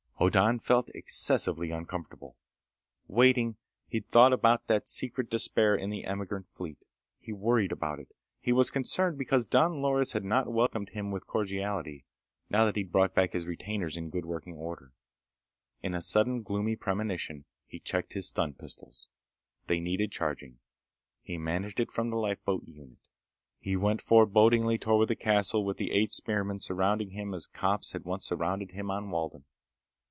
Hoddan felt excessively uncomfortable. Waiting, he'd thought about that secret despair in the emigrant fleet. He worried about it. He was concerned because Don Loris had not welcomed him with cordiality, now that he'd brought back his retainers in good working order. In a sudden gloomy premonition, he checked his stun pistols. They needed charging. He managed it from the lifeboat unit. He went forebodingly toward the castle with the eight spearmen surrounding him as cops had once surrounded him on Walden.